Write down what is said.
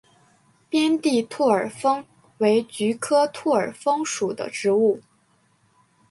边地兔儿风为菊科兔儿风属的植物。